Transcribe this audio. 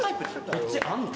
こっちあんの？